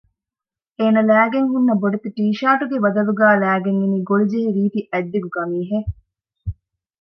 އޭނަ ލައިގެން ހުންނަ ބޮޑެތި ޓީޝާޓުގެ ބަދަލުގައި ލައިގެން އިނީ ގޮޅިޖެހި ރީތި އަތްދިގު ގަމީހެއް